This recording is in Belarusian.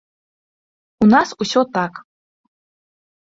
У нас усё так.